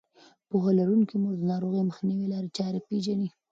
پوهه لرونکې مور د ناروغۍ مخنیوي لارې پېژني.